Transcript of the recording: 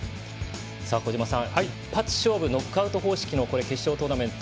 小島さん、一発勝負ノックアウト方式の決勝トーナメント。